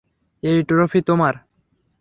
এই ট্রফি তোমার!